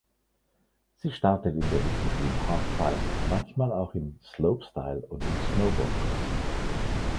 Sie startet in der Disziplin Halfpipe, manchmal auch im Slopestyle und im Snowboardcross.